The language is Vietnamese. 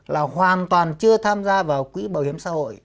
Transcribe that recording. là hoàn toàn chưa tham gia vào quỹ bảo hiểm xã hội